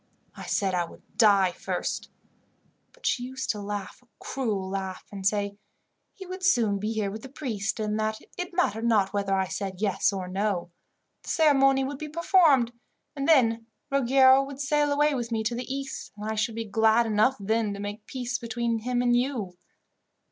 I said I would die first, but she used to laugh a cruel laugh, and say he would soon be here with the priest, and that it mattered not whether I said yes or no. The ceremony would be performed, and then Ruggiero would sail away with me to the East, and I should be glad enough then to make peace between him and you.